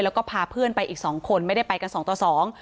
แล้วก็พาเพื่อนไปอีกสองคนไม่ได้ไปกันสองต่อสอง